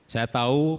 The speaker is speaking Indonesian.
saya tahu pak